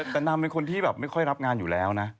แต่นางเป็นคนที่แบบไม่ค่อยรับงานอยู่แล้วนะ